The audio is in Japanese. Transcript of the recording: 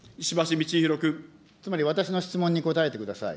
つまり私の質問に答えてください。